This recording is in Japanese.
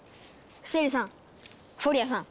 シエリさんフォリアさん